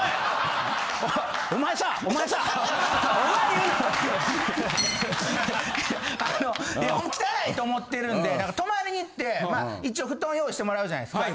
いや汚いと思ってるんで泊まりに行って一応ふとん用意してもらうじゃないですか。